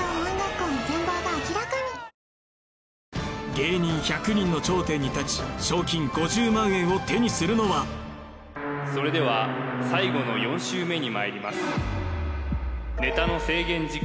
芸人１００人の頂点に立ち賞金５０万円を手にするのはそれでは最後の４周目にまいります